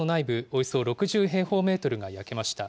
およそ６０平方メートルが焼けました。